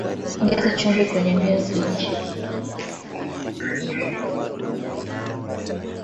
ongeza chumvi kwenye viazi lishe